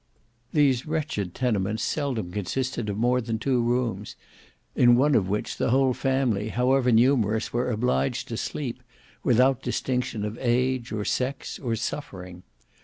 These wretched tenements seldom consisted of more than two rooms, in one of which the whole family, however numerous, were obliged to sleep, without distinction of age, or sex, or suffering.